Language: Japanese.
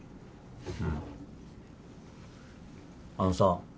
あのさ